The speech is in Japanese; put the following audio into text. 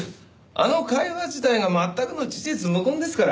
あの会話自体が全くの事実無根ですから。